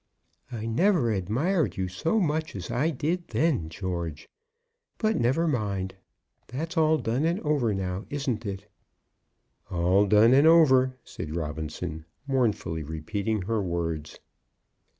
"I never admired you so much as I did then, George. But never mind. That's all done and over now; isn't it?" "All done and over," said Robinson, mournfully repeating her words.